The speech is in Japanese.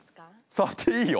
触っていいよ。